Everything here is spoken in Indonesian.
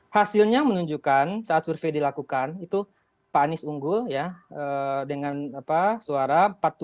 hasilnya menunjukkan saat survei dilakukan itu pak anies unggul ya dengan suara empat puluh tujuh